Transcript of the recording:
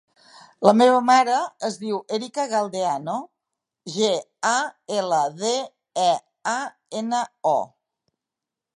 La meva mare es diu Erika Galdeano: ge, a, ela, de, e, a, ena, o.